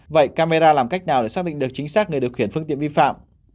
vậy camera làm cách nào để xác định được chính xác người điều khiển phương tiện vi phạm